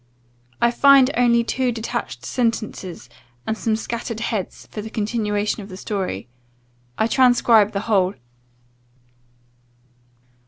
I find only two detached sentences, and some scattered heads for the continuation of the story. I transcribe the whole.